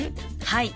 はい。